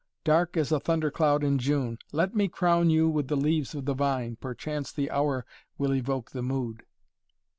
Dark as a thundercloud in June. Let me crown you with the leaves of the vine! Perchance the hour will evoke the mood!"